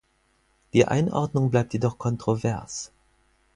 Die Einordnung bleibt jedoch kontrovers.